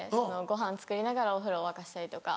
ごはん作りながらお風呂沸かしたりとか。